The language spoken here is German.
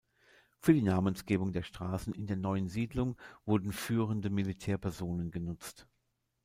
Für die Namensgebung der Straßen in der neuen Siedlung wurden führende Militärpersonen genutzt.